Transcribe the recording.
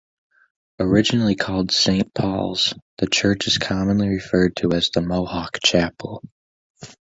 Originally called "Saint Paul's", the church is commonly referred to as the "Mohawk Chapel".